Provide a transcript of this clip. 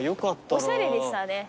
おしゃれでしたね。